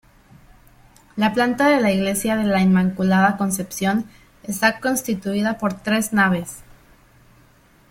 La planta de la iglesia de la Inmaculada Concepción está constituida por tres naves.